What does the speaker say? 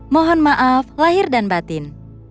mohon maaf lahir dan batin